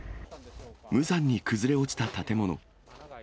無残に崩れ落ちた建物。